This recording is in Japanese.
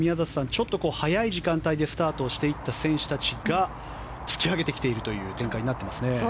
ちょっと早い時間帯でスタートしていった選手が突き上げてきているという展開になっていますね。